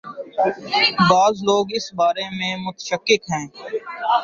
بعض لوگ اس بارے میں متشکک ہیں۔